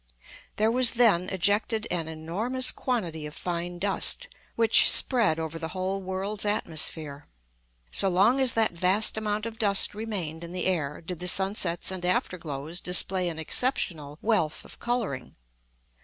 There was then ejected an enormous quantity of fine dust, which spread over the whole world's atmosphere. So long as that vast amount of dust remained in the air did the sunsets and afterglows display an exceptional wealth of colouring.